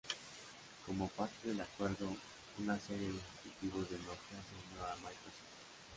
Como parte del acuerdo, una serie de ejecutivos de Nokia se unió a Microsoft.